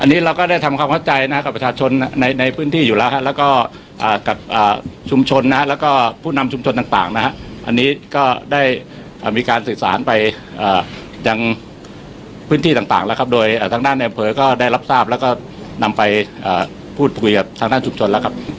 นำไปพูดภูมิกับทางด้านชุมชนแล้วครับ